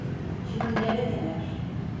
Şimdi neredeler?